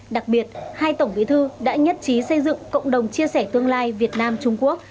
đặc biệt hai tổng bí thư đã nhất trí xây dựng cộng đồng chia sẻ tương lai việt nam trung quốc